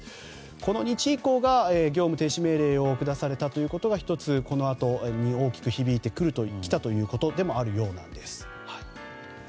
この日医工が業務停止命令を下されたということが１つ、このあとに大きく響いてきたということでもあるようなんです。